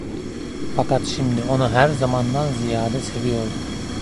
Fakat şimdi onu her zamandan ziyade seviyordum.